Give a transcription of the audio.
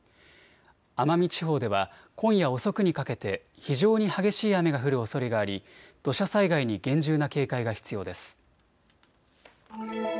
奄美地方では今夜遅くにかけて非常に激しい雨が降るおそれがあり土砂災害に厳重な警戒が必要です。